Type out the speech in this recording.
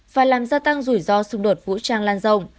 và làm gia tăng rủi ro xung đột vũ trang lan rộng